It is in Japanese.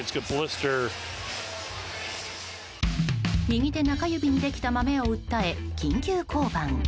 右手中指にできたマメを訴え緊急降板。